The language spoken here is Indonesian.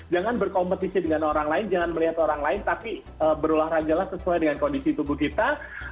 jangan berkompetisi dengan orang lain jangan melihat orang lain tapi berolahragalah sesuai dengan kondisi tubuh kita